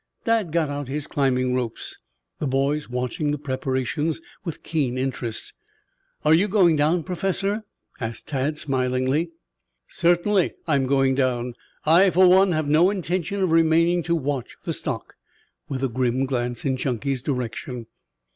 Dad got out his climbing ropes, the boys watching the preparations with keen interest. "Are you going down, Professor?" asked Tad smilingly. "Certainly I am going down. I for one have no intention of remaining to watch the stock," with a grim glance in Chunky's direction.